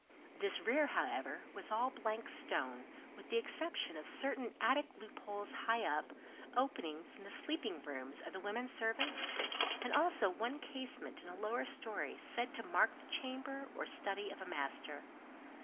This rear, however, was all blank stone, with the exception of certain attic loopholes high up, opening from the sleeping rooms of the women servants, and also one casement in a lower story said to mark the chamber or study of a master.